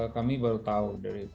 kami baru tahu dari